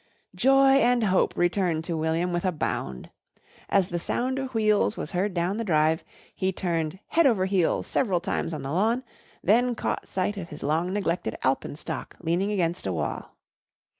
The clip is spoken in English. Joy and hope returned to William with a bound. As the sound of wheels was heard down the drive he turned head over heels several times on the lawn, then caught sight of his long neglected alpenstock leaning against a wall.